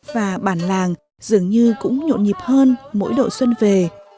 và bản làng dường như cũng nhộn nhịp hơn mỗi độ xuân về